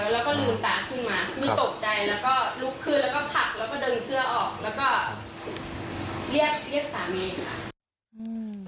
แล้วก็เดินเสื้อออกแล้วก็เรียกสามีค่ะ